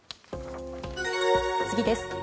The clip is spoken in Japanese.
次です。